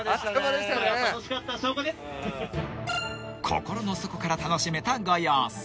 ［心の底から楽しめたご様子］